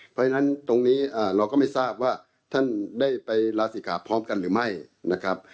เพราะฉะนั้นตรงนี้เราก็ไม่ทราบว่าท่านได้ไปลาศิกาพร้อมกันหรือไม่นะครับ